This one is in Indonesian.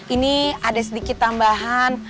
ini ada sedikit tambahan